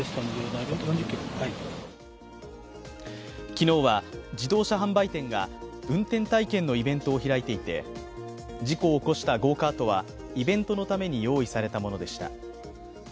昨日は、自動車販売店が、運転体験のイベントを開いていて事故を起こしたゴーカートはイベントのために用意されたものでした。